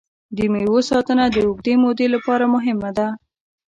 د مېوو ساتنه د اوږدې مودې لپاره مهمه ده.